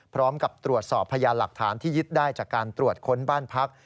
พร้อมกับตรวจสอบพยานหลักฐานที่ยึดได้จากการตรวจค้นบ้านพัก